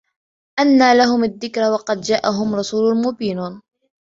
أَنَّى لَهُمُ الذِّكْرَى وَقَدْ جَاءَهُمْ رَسُولٌ مُبِينٌ